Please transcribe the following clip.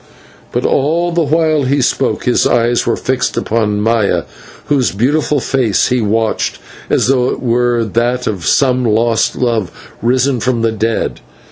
But all the while he spoke his eyes were fixed upon Maya, whose beautiful face he watched as though it were that of some lost love risen from the dead.